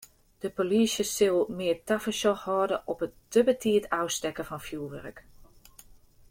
De polysje sil mear tafersjoch hâlde op it te betiid ôfstekken fan fjurwurk.